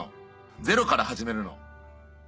ゼロから始めるの。